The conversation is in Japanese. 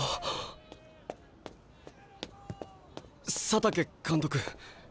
佐竹監督。